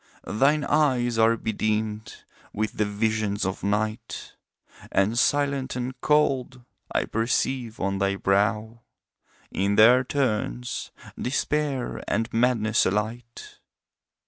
Thine eyes are bedimmed with the visions of Night, And silent and cold I perceive on thy brow In their turns Despair and Madness alight.